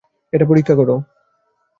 এটা পরীক্ষা কর।